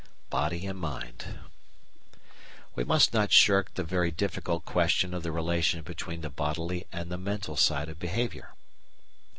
Body and Mind We must not shirk the very difficult question of the relation between the bodily and the mental side of behaviour.